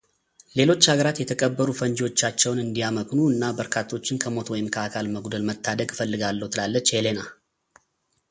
ሌሎች አገራት የተቀበሩ ፈንጂዎቻቸውን እንዲያመክኑ እና በርካቶችን ከሞት ወይም ከአካል መጉደል መታደግ እፈልጋለሁ ትላለች ሄለና።